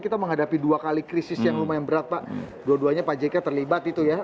kita menghadapi dua kali krisis yang lumayan berat pak dua duanya pak jk terlibat itu ya